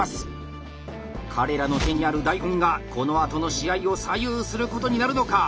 彼らの手にある台本がこのあとの試合を左右することになるのか？